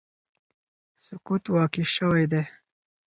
سقوط واقع شوی دی